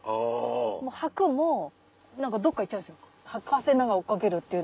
はくもどっか行っちゃうんですよ。